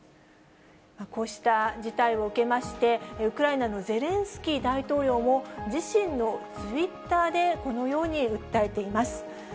こうした事態を受けまして、ウクライナのゼレンスキー大統領も、自身のツイッターでこのように訴えています。